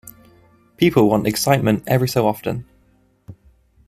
People want excitement every so often.